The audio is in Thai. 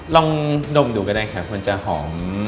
ลองดมดูก็ได้ค่ะมันจะหอม